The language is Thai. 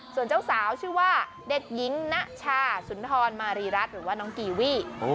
ส่วนเจ้าสาวชื่อว่าเด็กหญิงนะชาสุนทรมารีรัฐหรือว่าน้องกีวี่